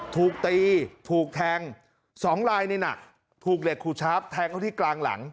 ถูกตีถูกแทง๒ลายนี่หนักถูกเหล็กขูดชาร์ฟแทงเขาที่กลางหลัง